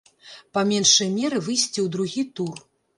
Па меншай меры выйсці ў другі тур.